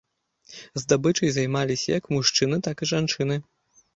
Здабычай займаліся як мужчыны, так і жанчыны.